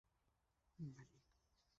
Што прынёс першы этап конкурсу?